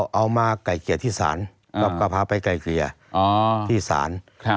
เขามาไกล่เกียร์ที่ศาลแล้วก็พาไปไกล่เกียร์ที่ศาล